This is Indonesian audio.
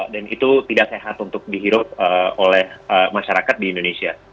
dan itu tidak sehat untuk dihirup oleh masyarakat di indonesia